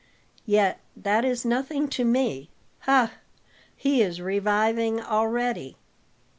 Yet that is nothing to me. Ha! he is reviving already.